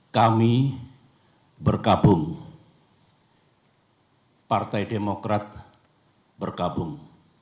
kami berkabung partai demokrat bergabung